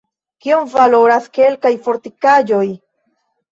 “Kion valoras kelkaj fortikaĵoj!